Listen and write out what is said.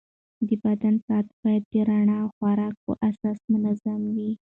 د بدن ساعت باید د رڼا او خوراک په اساس منظم وي.